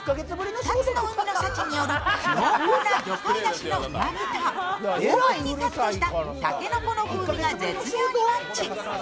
２つの海の幸による濃厚な魚介だしのうまみと、大ぶりにカットした竹の子の風味が絶妙にマッチ。